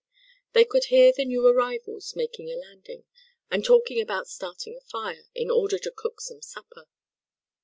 They could hear the new arrivals making a landing, and talking about starting a fire, in order to cook some supper.